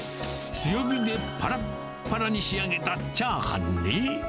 強火でぱらっぱらに仕上げたチャーハンに。